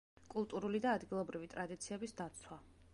კულტურული და ადგილობრივი ტრადიციების დაცვა.